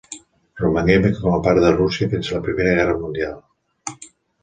Romangué com a part de Rússia fins a la Primera Guerra Mundial.